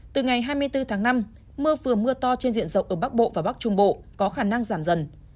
từ ngày hai mươi bốn tháng năm mưa vừa mưa to trên diện rộng ở bắc bộ và bắc trung bộ có khả năng giảm dần